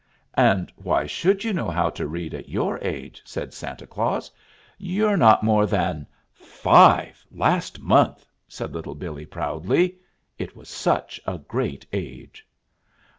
"And why should you know how to read at your age?" said Santa Claus. "You're not more than " "Five last month," said Little Billee proudly. It was such a great age!